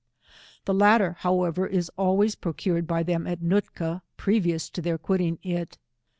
The latter, however, is always procured by them at Nootka, previous to their quitting it.